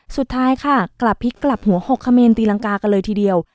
สุดท้ายค่ะกลับพลิกกลับหัวหกเขมรตีรังกากันเลยทีเดียว